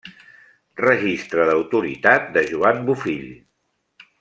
Registre d'autoritat de Joan Bofill.